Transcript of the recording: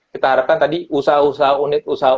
kita harapkan tadi usaha usaha unit usaha